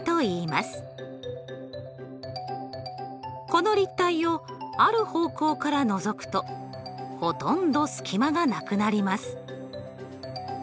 この立体をある方向からのぞくとほとんど隙間がなくなります。